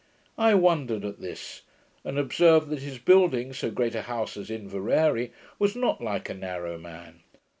I wondered at this; and observed, that his building so great a house at Inveraray was not like a narrow man.